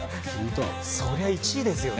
そりゃ１位ですよね。